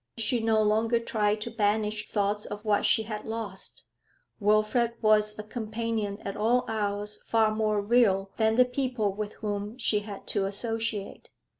She no longer tried to banish thoughts of what she had lost; Wilfrid was a companion at all hours far more real than the people with whom she had to associate.